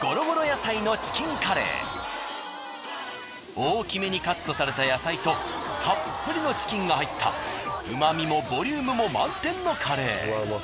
大きめにカットされた野菜とたっぷりのチキンが入った旨みもボリュームも満点のカレー。